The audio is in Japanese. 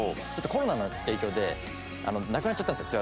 コロナの影響でなくなっちゃったんですよ